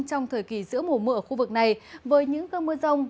trong thời kỳ giữa mùa mưa ở khu vực này với những cơn mưa rông